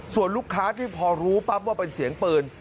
ส่วนลูกค้าที่พอรู้ปั๊บว่าเป็นเสียงปืน